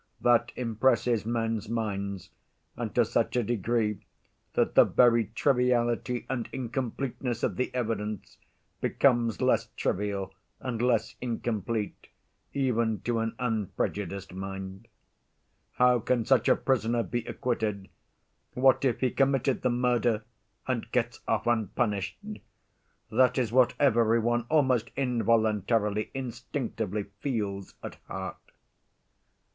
That impresses men's minds, and to such a degree that the very triviality and incompleteness of the evidence becomes less trivial and less incomplete even to an unprejudiced mind. How can such a prisoner be acquitted? What if he committed the murder and gets off unpunished? That is what every one, almost involuntarily, instinctively, feels at heart.